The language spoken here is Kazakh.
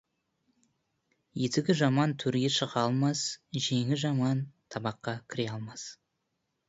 Етігі жаман төрге шыға алмас, жеңі жаман табаққа кіре алмас.